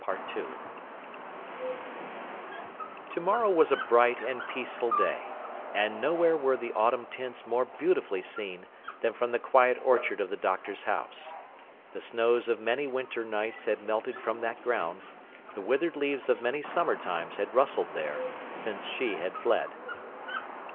To morrow was a bright and peaceful day; and nowhere were the autumn tints more beautifully seen, than from the quiet orchard of the Doctor's house. The snows of many winter nights had melted from that ground, the withered leaves of many summer times had rustled there, since she had fled.